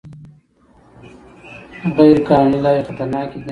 غیر قانوني لارې خطرناکې دي.